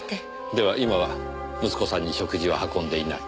では今は息子さんに食事を運んでいない。